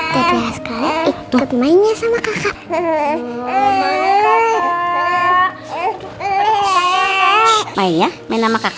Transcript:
dede sekarang ikut mainnya sama kakak